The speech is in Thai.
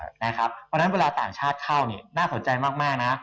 เพราะฉะนั้นเวลาต่างชาติเข้าน่าสนใจมากนะ